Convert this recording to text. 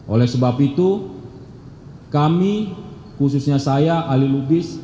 oleh sebab itu kami khususnya saya ahli lugis